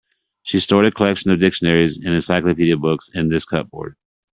She stored a collection of dictionaries and encyclopedia books in this cupboard.